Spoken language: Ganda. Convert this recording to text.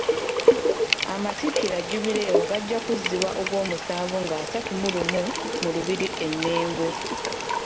Amatikkira Jubireewo gajja kuzibwa Ogwomusanvu nga asatu mu lumu mu Lubiri e Mengo.